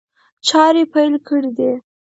چاري پيل کړي دي.